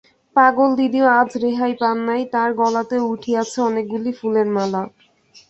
পাগলদিদিও আজ রেহাই পান নাই, তার গলাতেও উঠিয়াছে অনেকগুলি ফুলের মালা।